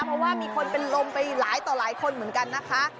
เพราะว่ามีคนเป็นลมไปหลายต่อหลายคนเหมือนกันนะคะ